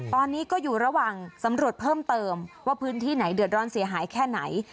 ตอนนี้ก็อยู่ระหว่างสำรวจเพิ่มเติมว่าพื้นที่ไหนเดือดร้อนเสียหายแค่ไหน